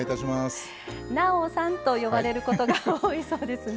「なおさん」と呼ばれることが多いそうですね。